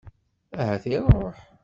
Ahat iṛuḥ.